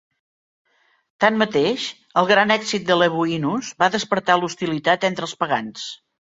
Tanmateix, el gran èxit de Lebuinus va despertar l'hostilitat entre els pagans.